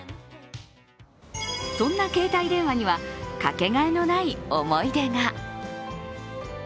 そんな携帯電話にはかけがえのない思い出が。